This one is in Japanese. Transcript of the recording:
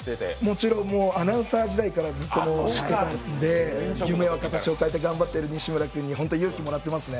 もちろんアナウンサー時代から知ってまして、夢を形を変えて頑張っている西村君に勇気をもらえますね。